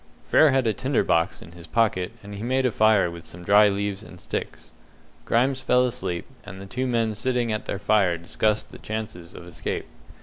Frere had a tinder box in his pocket, and he made a fire with some dry leaves and sticks. Grimes fell asleep, and the two men sitting at their fire discussed the chances of escape.